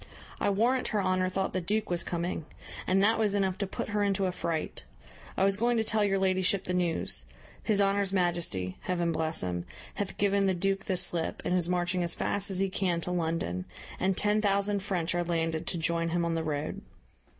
I warrant her honour thought the duke was coming; and that was enough to put her into a fright. I was going to tell your ladyship the news. His honour's majesty, Heaven bless him, hath given the duke the slip, and is marching as fast as he can to London, and ten thousand French are landed to join him on the road."